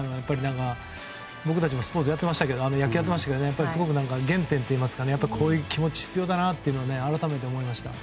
僕たちもスポーツ野球やっていましたけどすごく原点といいますかこういう気持ちが必要だなと改めて思いました。